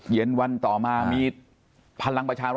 เย็นวันต่อมามีพันธุ์รังประชารัฐไป